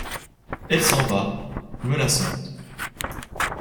Elle s'en va, menaçante.